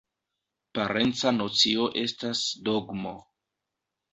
Parenca nocio estas ”dogmo”.